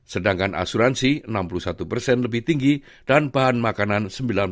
sedangkan asuransi enam puluh satu persen lebih tinggi dan bahan makanan sembilan puluh